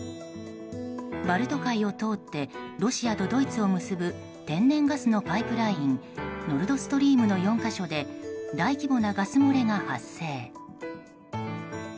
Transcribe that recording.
バルト海を通ってロシアとドイツを結ぶ天然ガスのパイプラインノルドストリームの４か所で大規模なガス漏れが発生。